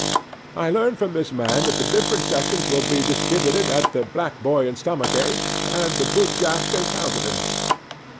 I learn from this man that the different sections will be distributed at the Black Boy and Stomach ache, and the Boot jack and Countenance.